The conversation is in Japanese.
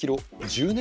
１０年！